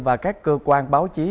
và các cơ quan báo chí